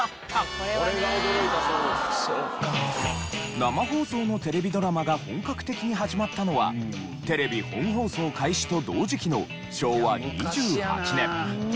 生放送のテレビドラマが本格的に始まったのはテレビ本放送開始と同時期の昭和２８年。